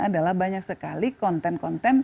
adalah banyak sekali konten konten